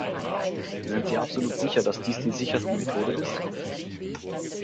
Sind Sie absolut sicher, dass dies die sicherste Methode ist?